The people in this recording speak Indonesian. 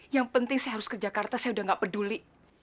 yang penting saya harus ke jakarta saya udah gak peduli